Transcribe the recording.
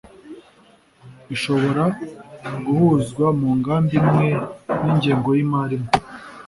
bishobora guhuzwa mu ngamba imwe n'ingengo y'imari imwe.